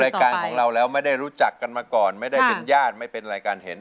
รายการของเราแล้วไม่ได้รู้จักกันมาก่อนไม่ได้เป็นญาติไม่เป็นรายการเห็น